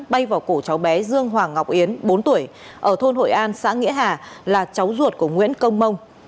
bay vào cổ cháu bé dương hoàng ngọc yến bốn tuổi ở thôn hội an xã nghĩa hà là cháu ruột của nguyễn công mông